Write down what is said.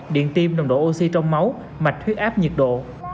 điện tim nồng độ oxy trong máu mạch huyết áp nhiệt độ